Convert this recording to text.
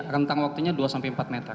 rentang waktunya dua sampai empat meter